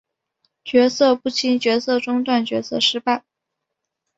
角色不清角色中断角色失败